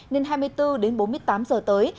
nên hai mươi bốn đến bốn mươi tám giờ tới